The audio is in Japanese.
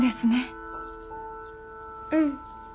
うん。